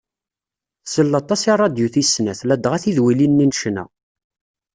Tsell aṭas i radyu tis snat, ladɣa tidwilin-nni n ccna.